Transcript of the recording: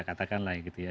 katakanlah gitu ya